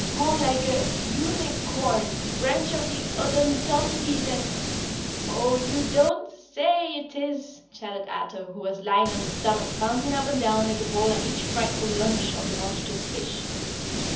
"Horn like a uni corn branch of the Odontocetes and " "Oh you don't say it is!" chattered Ato, who was lying on his stomach bouncing up and down like a ball at each frightful lunge of the monstrous fish.